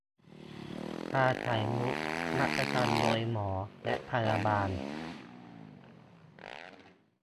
ชาไข่มุก รับประกันโดยหมอและพยาบาล